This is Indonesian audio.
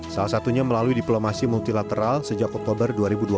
salah satunya melalui diplomasi multilateral sejak oktober dua ribu dua puluh